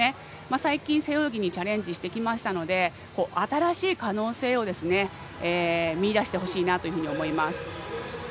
最近、背泳ぎにチャレンジしてきましたので新しい可能性を見いだしてほしいなと思います。